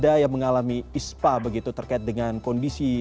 sudah ada yang mengalami ispa begitu terkait dengan kondisi yang lain